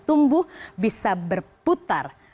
tumbuh bisa berputar